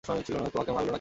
তোমাকে মারলো না কীভাবে?